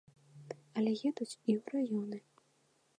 Але едуць і ў раёны.